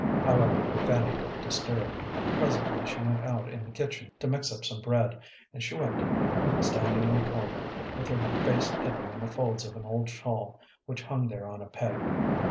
However, Fanny looked disturbed. Presently she went out in the kitchen to mix up some bread, and she wept a little, standing in a corner, with her face hidden in the folds of an old shawl which hung there on a peg.